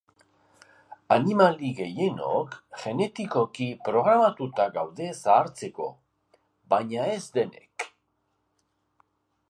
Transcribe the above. Animali gehienok genetikoki programatuta gaude zahartzeko, baina ez denek.